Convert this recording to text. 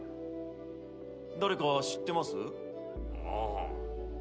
誰か知ってます？